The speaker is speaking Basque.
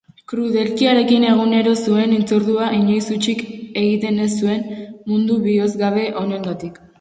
Krudelkeriarekin egunero zuen hitzordura inoiz hutsik egiten ez zuen mundu bihozgabe honengatik.